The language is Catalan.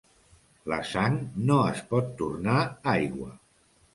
La sang no es pot tornar aigua.